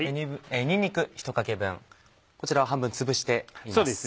にんにく１かけ分こちらは半分つぶしてあります。